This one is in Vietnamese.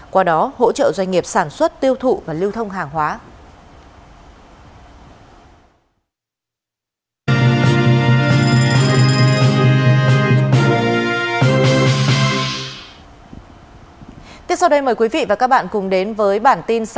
qua đó hỗ trợ doanh nghiệp sản xuất tiêu thụ và lưu thông hàng hóa